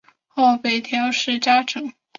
后北条氏家臣。